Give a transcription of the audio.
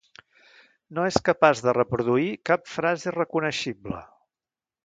No és capaç de reproduir cap frase reconeixible.